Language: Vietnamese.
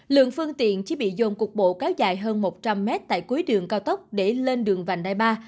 lượng phương tiện chỉ bị dồn cuộc bộ cao dài hơn một trăm linh m tại cuối đường cao tốc để lên đường vành đai ba